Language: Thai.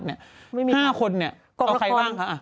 ๕คนเนี่ยเอาใครบ้างคะ